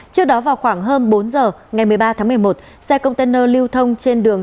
trước đó vào khoảng hơn bốn giờ ngày một mươi ba tháng một mươi một xe container lưu thông trên đường